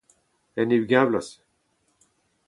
en e ugent vloaz